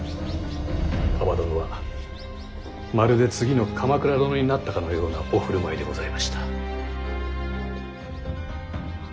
蒲殿はまるで次の鎌倉殿になったかのようなお振る舞いでございました。